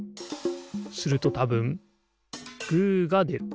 するとたぶんグーがでる。